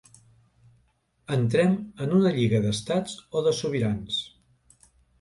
Entrem en una lliga d'estats o de sobirans.